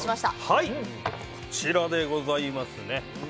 はいこちらでございますね